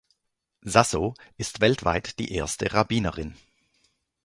Sasso ist weltweit die erste Rabbinerin.